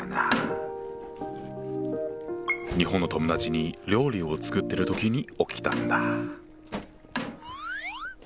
日本の友達に料理を作ってる時に起きたんだ。